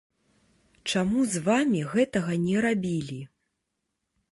Чаму з вамі гэтага не рабілі?